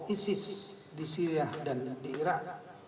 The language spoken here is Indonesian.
isis di syria dan di irak